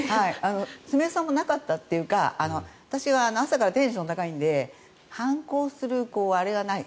すみれさんもなかったというか私は朝からテンションが高いので反抗するあれがない。